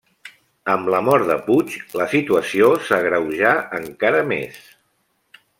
Amb la mort de Puig, la situació s'agreujà encara més.